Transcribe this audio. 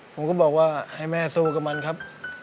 ผมก็บอกว่าให้แม่สู้กับมันครับ